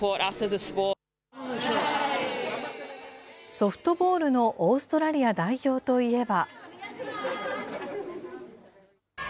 ソフトボールのオーストラリア代表といえば。